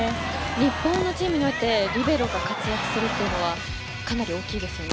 日本のチームにおいてリベロが活躍するというのはかなり大きいですね。